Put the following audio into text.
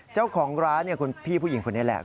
เจ้าของร้านคุณพี่ผู้หญิงคนนี้แหละ